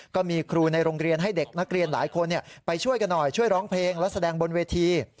ก็มีครูในโรงเรียนให้เด็กนักเรียนหลายคนไปช่วยกันหน่อยช่วยร้องเพลงและแสดงบนเวที